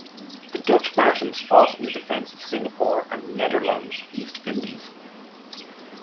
The Dutch Martins fought in the defense of Singapore and the Netherlands East Indies.